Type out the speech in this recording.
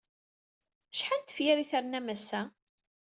Acḥal n tefyar ay ternam ass-a?